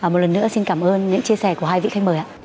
một lần nữa xin cảm ơn những chia sẻ của hai vị khách mời ạ